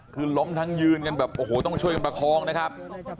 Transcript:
คือล้มทั้งยืนกันแบบโอ้โหต้องช่วยกันประคองนะครับ